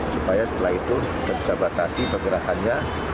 supaya setelah itu kita bisa batasi pergerakannya